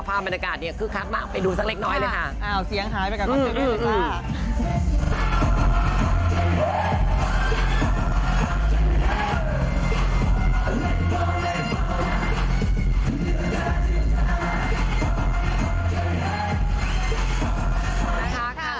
ภาพบรรยากาศเนี่ยคือครับมากไปดูสักเล็กน้อยเลยค่ะ